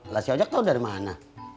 lah si ojak tau dari mana